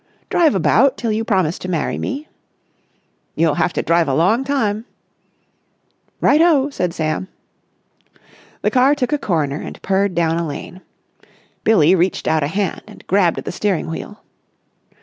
"Drive about till you promise to marry me." "You'll have to drive a long time." "Right ho!" said Sam. The car took a corner and purred down a lane. Billie reached out a hand and grabbed at the steering wheel.